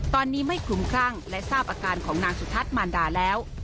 ตอนนี้ไม่คลุมคลั่งและทราบอาการของนางสุทัศน์มารดาแล้ว